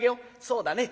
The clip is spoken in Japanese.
「そうだね。